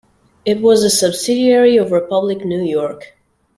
It was the subsidiary of Republic New York.